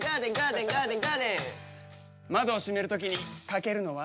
窓を閉める時にかけるのは？